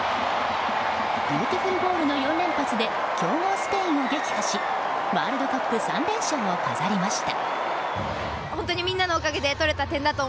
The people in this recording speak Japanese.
ビューティフルゴールの４連発で強豪スペインを撃破しワールドカップ３連勝を飾りました。